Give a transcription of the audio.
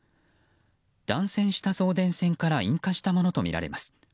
断線した送電線から引火したものとみられます。